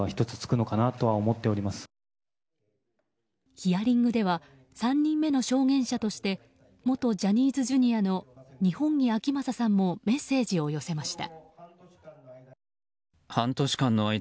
ヒアリングでは３人目の証言者として元ジャニーズＪｒ．の二本樹顕理さんもメッセージを寄せました。